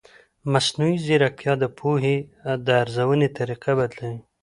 مصنوعي ځیرکتیا د پوهې د ارزونې طریقه بدلوي.